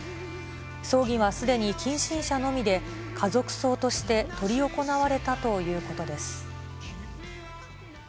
葬儀はすでに近親者のみで、家族葬として執り行われたということです。